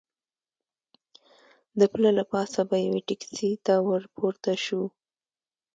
د پله له پاسه به یوې ټکسي ته ور پورته شو.